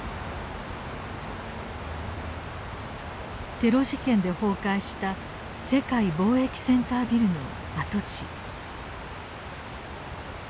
テロ事件で崩壊した世界貿易センタービルの跡地。